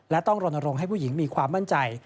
และต้องรณรงค์ให้ผู้หญิงมีความมั่นใจ